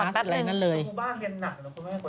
รูปบ้านเรียนหนักหรืออย่างบริเวณกว่า